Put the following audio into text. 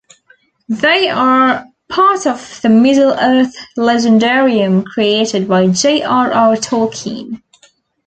They are part of the Middle-earth legendarium created by J. R. R. Tolkien.